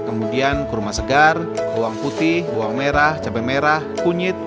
kemudian kurma segar bawang putih bawang merah cabai merah kunyit